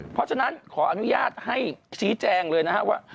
เพราะฉะนั้นขออนุญาตให้ชี้แจงเลยนะครับว่า